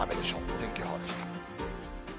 天気予報でした。